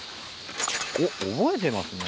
おっ覚えてますね。